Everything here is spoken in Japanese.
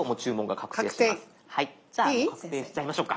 確定いい？確定しちゃいましょうか。